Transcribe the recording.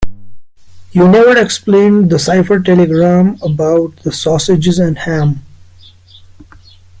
You never explained that cipher telegram about the sausages and ham.